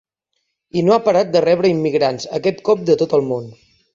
I no ha parat de rebre immigrants, aquest cop de tot el món.